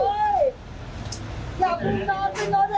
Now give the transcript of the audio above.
โทรเสียข้าวเพิ่ง